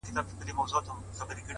پوهه عمل ته جهت ورکوي؛